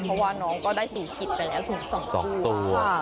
เพราะว่าน้องก็ได้สูงสุดไปแล้วถึง๒ตัว